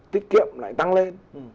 tiết kiệm lại tăng lên